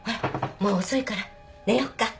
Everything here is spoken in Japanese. もう遅いから寝ようか？